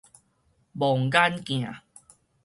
望眼鏡